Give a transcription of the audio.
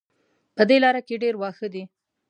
په دې لاره کې ډېر واښه دي